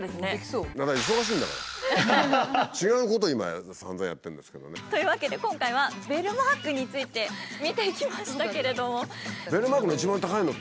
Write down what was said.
違うことを今さんざんやってるんですけどね。というわけで今回はベルマークについて見てきましたけれども。